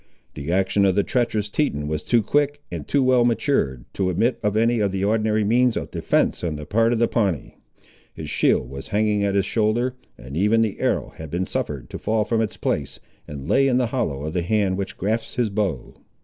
The action of the treacherous Teton was too quick, and too well matured, to admit of any of the ordinary means of defence on the part of the Pawnee. His shield was hanging at his shoulder, and even the arrow had been suffered to fall from its place, and lay in the hollow of the hand which grasped his bow.